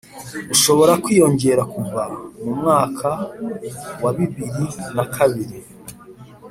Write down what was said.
ushobora kwiyongera kuva mu mwaka wa bibiri na kabiri